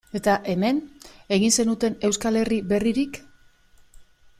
Eta, hemen, egin zenuten Euskal Herri berririk?